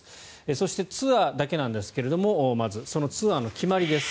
そして、ツアーだけなんですがまず、そのツアーの決まりです。